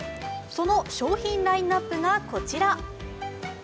その商品ラインナップがこちら。